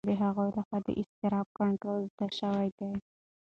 د هغه لخوا د اضطراب کنټرول زده شوی دی.